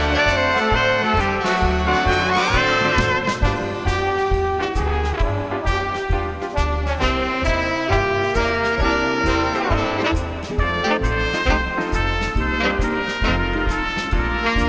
โปรดติดตามต่อไป